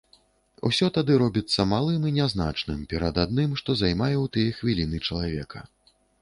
Усё тады робіцца малым і нязначным перад адным, што займае ў тыя хвіліны чалавека.